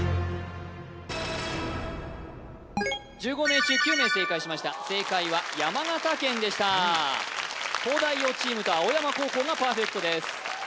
１５名中９名正解しました正解は山形県でした東大王チームと青山高校がパーフェクトです